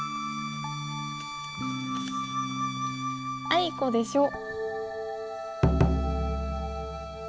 「あいこでしょ」。